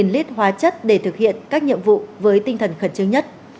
một trăm hai mươi lít hóa chất để thực hiện các nhiệm vụ với tinh thần khẩn trương nhất